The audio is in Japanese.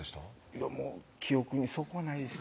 いやもう記憶にそこはないです